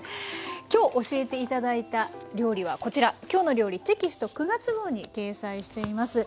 今日教えて頂いた料理はこちら「きょうの料理」テキスト９月号に掲載しています。